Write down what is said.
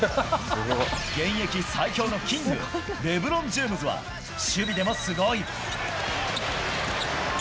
現役最強のキング、レブロン・ジェームズは、守備でもすごい。